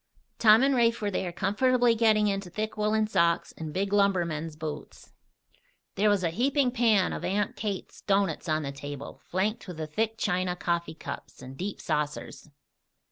Tom and Rafe were there comfortably getting into thick woolen socks and big lumbermen's boots. There was a heaping pan of Aunt Kate's doughnuts on the table, flanked with the thick china coffee cups and deep saucers.